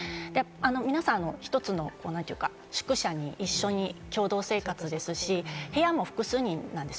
皆さん１つの宿舎に一緒に共同生活ですし、部屋も複数人なんです。